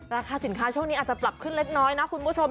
ราคาสินค้าช่วงนี้อาจจะปรับขึ้นเล็กน้อยนะคุณผู้ชม